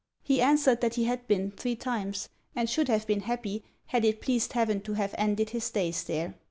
He answered that he had been three times; and should have been happy had it pleased heaven to have ended his days there.